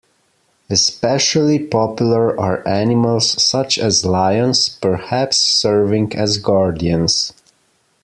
Especially popular are animals such as lions, perhaps serving as guardians.